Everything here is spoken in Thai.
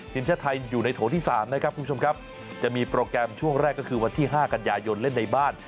ทีมชาติไทยอยู่ในโถที่๓นะครับคุณผู้ชมครับจะมีโปรแกรมช่วงแรกก็คือวันที่๕กันยายนเล่นในบ้าน